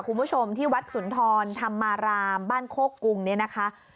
คุณผู้ชมที่วัดสุนทรธรรมารามบ้านโคกรุงเนี่ยนะคะ